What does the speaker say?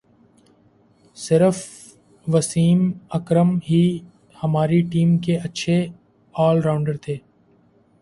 صرف وسیم اکرم ہی ہماری ٹیم کے اچھے آل راؤنڈر تھے